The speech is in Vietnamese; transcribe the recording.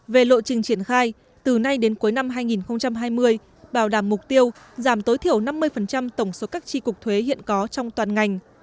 về lộ trình triển khai từ nay đến cuối năm hai nghìn hai mươi bảo đảm mục tiêu giảm tối thiểu năm mươi tổng số các tri cục thuế hiện có trong toàn ngành